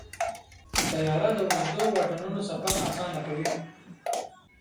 طیاره د اوږدو واټنونو سفر اسانه کوي.